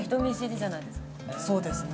そうですね。